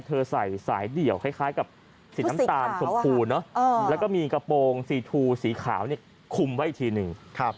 ใส่สายเดี่ยวคล้ายกับสีน้ำตาลชมพูเนอะแล้วก็มีกระโปรงสีทูสีขาวคุมไว้อีกทีหนึ่ง